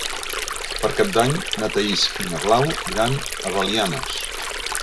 Per Cap d'Any na Thaís i na Blau iran a Belianes.